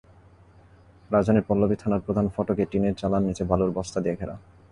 রাজধানীর পল্লবী থানার প্রধান ফটকে টিনের চালার নিচে বালুর বস্তা দিয়ে ঘেরা।